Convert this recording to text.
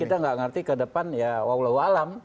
kita gak ngerti ke depan ya waw lahu alam